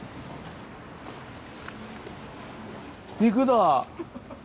肉だ！